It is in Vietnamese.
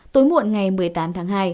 tối muộn ngày một mươi tám tháng hai